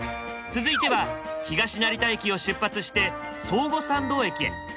続いては東成田駅を出発して宗吾参道駅へ。